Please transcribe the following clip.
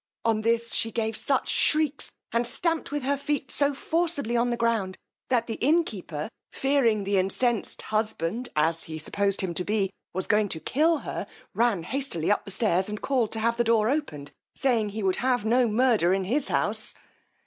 On this she gave such shrieks, and stamped with her feet so forcibly on the ground, that the innkeeper fearing the incensed husband, as he supposed him to be, was going to kill her, ran hastily up stairs, and called to have the door opened, saying, he would have no murder in his house.